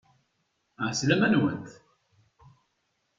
Ɛeslama-nwent!